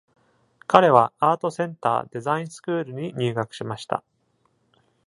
彼はアートセンターデザインスクールに入学しました。